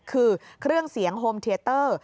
คือเครื่องเสียงโฮมเทียเตอร์